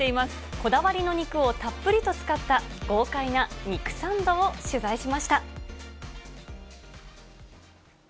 こだわりの肉をたっぷりと使った、豪快な肉サンドを取材しました。